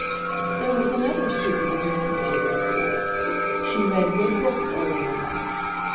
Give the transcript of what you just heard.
There was another secret of Miss Mitchell's success. She read good books early in life.